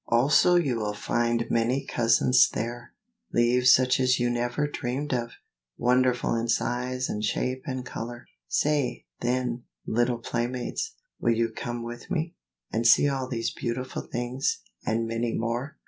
Also you will find many cousins there, leaves such as you never dreamed of, wonderful in size and shape and color. Say, then, little playmates, will you come with me, and see all these beautiful things, and many more?"